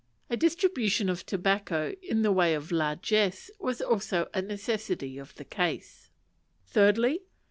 A distribution of tobacco, in the way of largess, was also a necessity of the case. Thirdly.